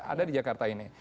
ada di jakarta ini